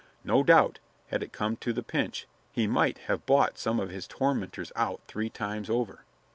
No doubt, had it come to the pinch, he might have bought some of his tormentors out three times over.